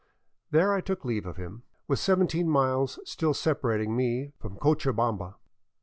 There I took leave of him, with seventeen miles still separating me from Cochabamba.